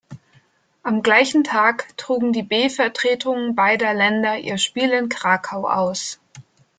Am gleichen Tag trugen die B-Vertretungen beider Länder ihr Spiel in Krakau aus.